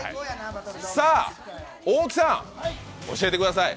さあ、大木さん、教えてください。